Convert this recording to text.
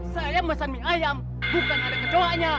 saya mesen mie ayam bukan ada kecohannya